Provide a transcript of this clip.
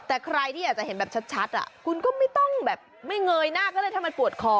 แต่ใครที่อยากจะเห็นแบบชัดคุณก็ไม่ต้องแบบไม่เงยหน้าก็ได้ถ้ามันปวดคอ